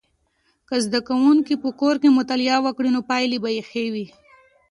که زده کوونکي په کور کې مطالعه وکړي نو پایلې به یې ښې وي.